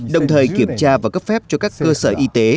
đồng thời kiểm tra và cấp phép cho các cơ sở y tế